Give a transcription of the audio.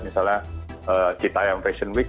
misalnya cita yang fashion week